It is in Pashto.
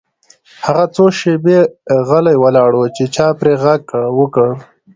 هغه څو شیبې غلی ولاړ و چې چا پرې غږ وکړ